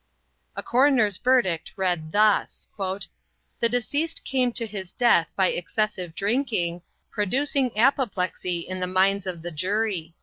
A coroner's verdict read thus: "The deceased came to his death by excessive drinking, producing apoplexy in the minds of the jury."